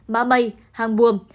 má mây hàng buồm